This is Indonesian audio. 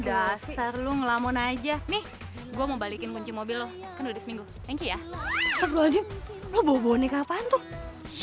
astaghfirullahaladzim lo bawa bonek kapan tuh